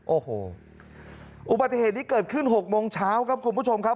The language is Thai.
โอ้โหอุบัติเหตุนี้เกิดขึ้น๖โมงเช้าครับคุณผู้ชมครับ